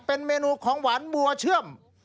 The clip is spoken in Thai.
เป็นเมนูของหวานบัวเชื่อม